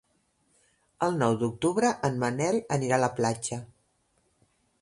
El nou d'octubre en Manel anirà a la platja.